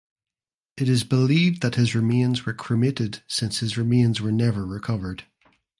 It is believed that his remains were cremated since his remains were never recovered.